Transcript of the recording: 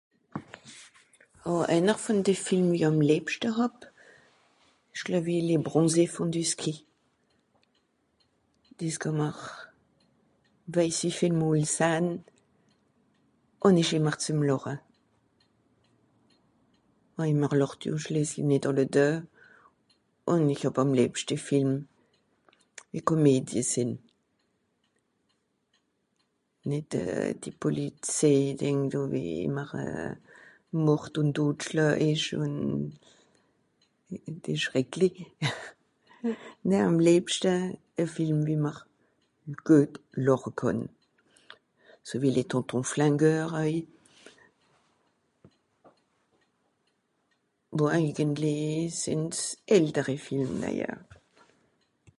ah einer von de film wie àm lebschte hàb esch gleuwi les bronzés font du ski des kàmmr weiss'i veel mòls sahn ùn esch ìmmer zum làche waije mr làcht jo schlìssli nìt àlle deu ùn esch hàb àm liebschte film wie comédie sìn nìt die polezei dìng do wie ìmmer mort ùn tod schleu esch ùn euh des schrekli nä àm lebschte a film wie mr m'r geut làche kànn sowie les tontons flingeur euj wo eingentli sìns elderi film naja